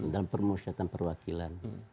dalam permusyawaratan perwakilan